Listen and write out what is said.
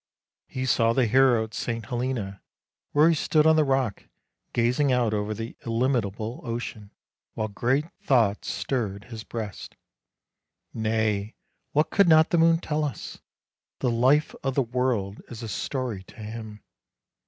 He saw the hero at St. Helena where he stood on the rock gazing out over the illimitable ocean, while great thoughts stirred his breast. Nay, what could not the moon tell us? The life of the world is a story to him.